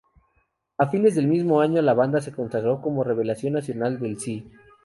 Afines de ese mismo año, la banda se consagró como revelación nacional del Sí!